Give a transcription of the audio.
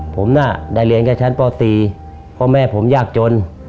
ผมน่ะได้เรียนแค่ชั้นป๔เพราะแม่ผมยากจน